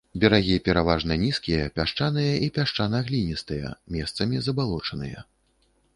Берагі пераважна нізкія, пясчаныя і пясчана-гліністыя, месцамі забалочаныя.